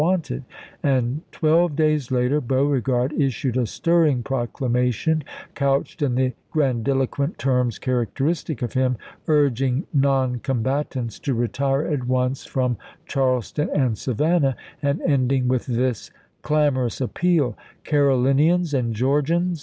" wanted," and twelve days later Beauregard issued a stirring proclamation couched in the grandiloquent terms characteristic of him, urging non combatants to retire at once from Charleston and Savannah, and ending with this clamorous appeal :" Caro linians and Georgians!